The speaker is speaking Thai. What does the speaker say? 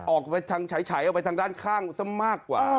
ออกไปทางฉายออกไปทางด้านข้างซะมากกว่า